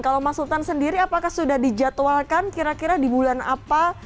kalau mas sultan sendiri apakah sudah dijadwalkan kira kira di bulan apa